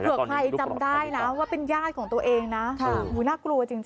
ใครจำได้นะว่าเป็นญาติของตัวเองนะน่ากลัวจริง